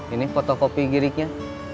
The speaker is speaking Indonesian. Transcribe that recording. ini fotokopi giriknya